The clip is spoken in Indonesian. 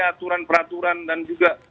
aturan peraturan dan juga